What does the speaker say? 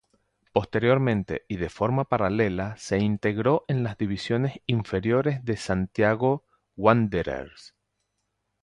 Posteriormente y de forma paralela se integró en las divisiones inferiores de Santiago Wanderers.